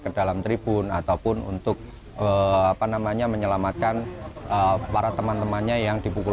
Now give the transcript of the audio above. ke dalam tribun ataupun untuk apa namanya menyelamatkan para teman temannya yang dipukul